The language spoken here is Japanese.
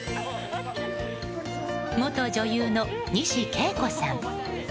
元女優の西恵子さん。